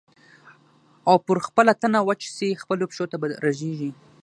او پر خپله تنه وچ سې خپلو پښو ته به رژېږې